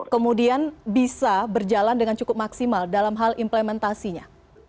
kemudian bisa berjalan dengan cukup maksimal dalam hal implementasinya